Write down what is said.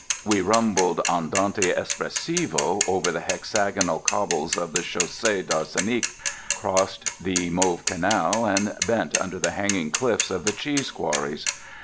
We rumbled andante espressivo over the hexagonal cobbles of the Chaussée d'Arsenic, crossed the mauve canal and bent under the hanging cliffs of the cheese quarries.